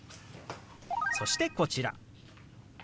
そしてこちら。